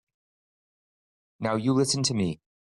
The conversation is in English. Now you listen to me.